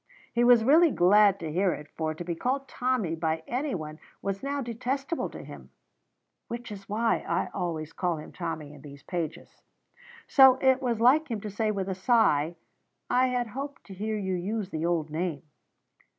He was really glad to hear it, for to be called Tommy by anyone was now detestable to him (which is why I always call him Tommy in these pages). So it was like him to say, with a sigh, "I had hoped to hear you use the old name."